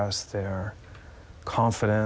ผมไม่คิดว่า